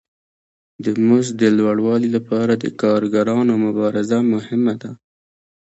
د مزد د لوړوالي لپاره د کارګرانو مبارزه مهمه ده